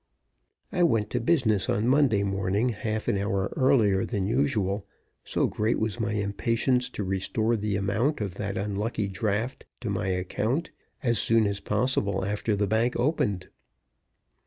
I went to business on Monday morning half an hour earlier than usual, so great was my impatience to restore the amount of that unlucky draft to my account as soon as possible after the bank opened.